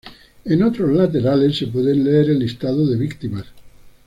En otros laterales se puede leer el listado de víctimas.